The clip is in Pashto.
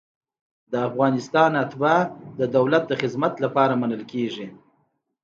د افغانستان اتباع د دولت د خدمت لپاره منل کیږي.